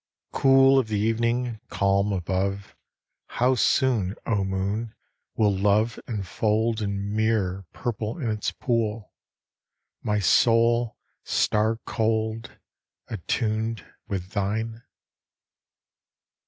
Cool of the evening, calm above, How soon, O Moon, will love enfold, And mirror purple in its pool, My soul, star cold, attuned with thine